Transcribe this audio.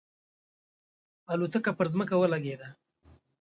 الوتکه پر ځمکه ولګېده.